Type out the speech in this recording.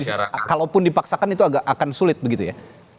dan kalaupun dipaksakan itu agak akan sulit begitu ya